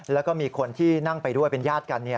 แล้วก็มีคนที่นั่งไปด้วยเป็นญาติกัน